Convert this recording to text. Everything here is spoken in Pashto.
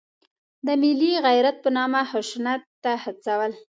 د ملي غیرت په نامه خشونت ته هڅول.